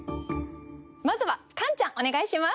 まずはカンちゃんお願いします。